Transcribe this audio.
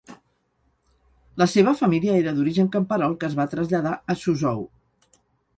La seva família era d'origen camperol que es va traslladar a Suzhou.